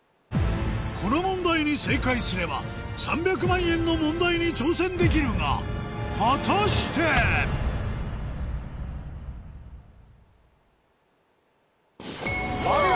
この問題に正解すれば３００万円の問題に挑戦できるが果たして⁉お見事！